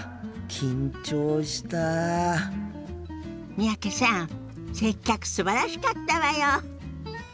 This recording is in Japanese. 三宅さん接客すばらしかったわよ。